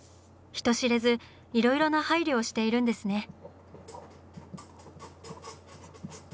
人知れずいろいろな配慮をしているんですね。